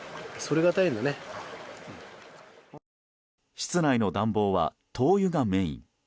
室内の暖房は灯油がメイン。